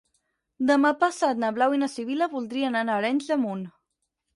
Demà passat na Blau i na Sibil·la voldrien anar a Arenys de Munt.